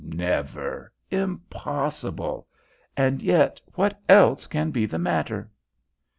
Never. Impossible. And yet what else can be the matter?"